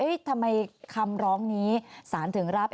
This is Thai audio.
ทำไมคำร้องนี้สารถึงรับ